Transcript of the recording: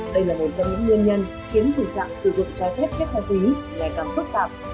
đây là một trong những nguyên nhân khiến tình trạng sử dụng trái phép chất ma túy ngày càng phức tạp